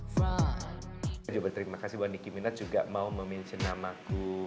saya juga berterima kasih buat niki minat juga mau mention namaku